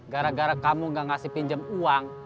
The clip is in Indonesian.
gara gara kamu gak ngasih pinjam uang